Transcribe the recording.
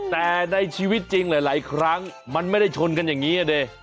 แต่ในชีวิตจริงหลายครั้งมันไม่ได้ชนกันอย่างนี้อ่ะดิ